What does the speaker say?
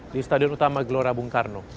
di stadion utama gelora bung karno